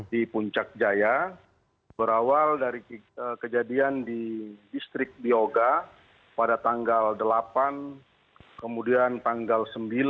di puncak jaya berawal dari kejadian di distrik bioga pada tanggal delapan kemudian tanggal sembilan